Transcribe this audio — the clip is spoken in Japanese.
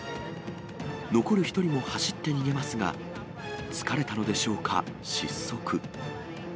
残る１人も走って逃げますが、疲れたのでしょうか、失速。